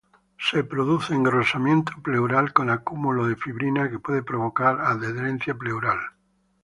Se produce engrosamiento pleural con acúmulo de fibrina que puede provocar adherencia pleural.